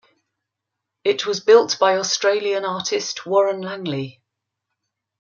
It was built by Australian artist Warren Langley.